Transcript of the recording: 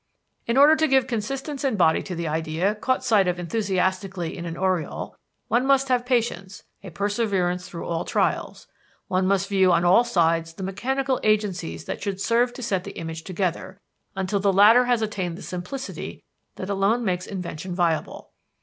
"In order to give consistence and body to the idea caught sight of enthusiastically in an aureole, one must have patience, a perseverance through all trials. One must view on all sides the mechanical agencies that should serve to set the image together, until the latter has attained the simplicity that alone makes invention viable.